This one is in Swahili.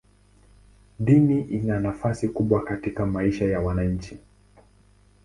Dini ina nafasi kubwa katika maisha ya wananchi.